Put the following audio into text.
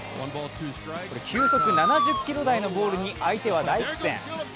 球速７０キロ台のボールに相手は大苦戦。